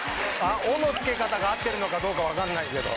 「お」の付け方が合ってるのかどうか分かんないけど。